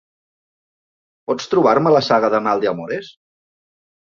Pots trobar-me la saga de Maldeamores?